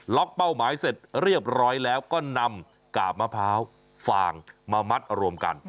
เป้าหมายเสร็จเรียบร้อยแล้วก็นำกาบมะพร้าวฟางมามัดรวมกัน